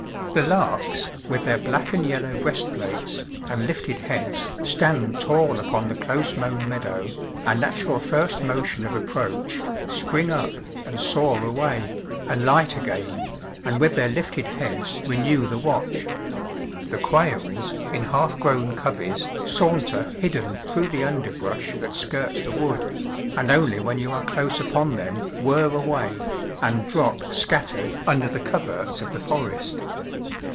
The larks, with their black and yellow breastplates, and lifted heads, stand tall upon the close mown meadow, and at your first motion of approach spring up, and soar away, and light again, and with their lifted heads renew the watch. The quails, in half grown coveys, saunter hidden through the underbrush that skirts the wood, and only when you are close upon them, whir away, and drop scattered under the coverts of the forest.